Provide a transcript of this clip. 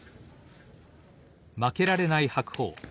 負けられない白鵬。